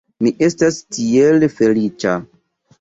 Mi estas tiel feliĉa!